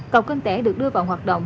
cầu cưng tẻ được đưa vào hoạt động